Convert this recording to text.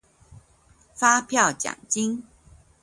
發票獎金